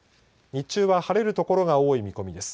日中は晴れる所が多い見込みです。